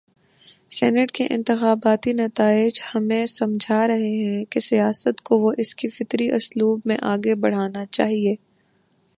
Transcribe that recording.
Senate کے انتخاباتی نتائج ہمیں سمجھا رہے ہیں کہ سیاست کو اس کے فطری اسلوب میں آگے بڑھنا چاہیے۔